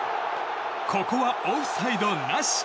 ここはオフサイドなし。